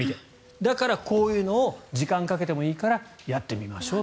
だから、こういうのを時間をかけてもいいからやってみましょうと。